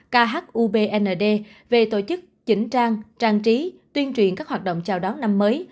khubnd về tổ chức chỉnh trang trang trí tuyên truyền các hoạt động chào đón năm mới